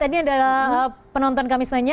ini adalah penonton kamisnya nya